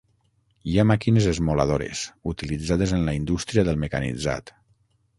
Hi ha màquines esmoladores, utilitzades en la indústria del mecanitzat.